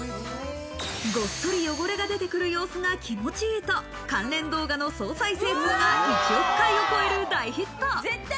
ごっそり汚れが出てくる様子が気持ち良いと、関連動画の総再生回数が１億回を超える大ヒット。